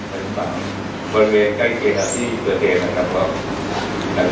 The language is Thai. เป็นฝั่งบริเวณใกล้เกณฑ์ที่ประเทศนะครับครับ